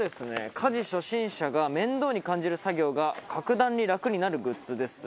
家事初心者が面倒に感じる作業が格段に楽になるグッズです。